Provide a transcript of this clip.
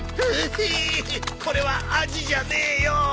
ヒィこれはアジじゃねえよ。